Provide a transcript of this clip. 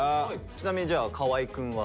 ちなみにじゃあ河合くんは？